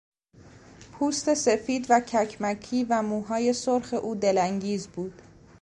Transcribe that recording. پوست سفید و ککمکی و موهای سرخ او دلانگیز بود.